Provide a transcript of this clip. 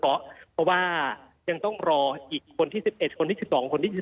เพราะว่ายังต้องรออีกคนที่๑๑คนที่๑๒คนที่๒